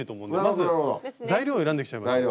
まず材料を選んできちゃいましょう。